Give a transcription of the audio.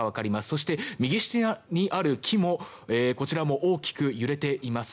そして右下にある木も大きく揺れています。